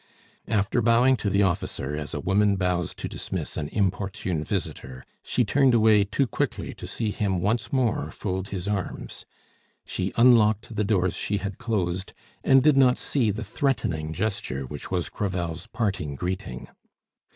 After bowing to the officer as a woman bows to dismiss an importune visitor, she turned away too quickly to see him once more fold his arms. She unlocked the doors she had closed, and did not see the threatening gesture which was Crevel's parting greeting.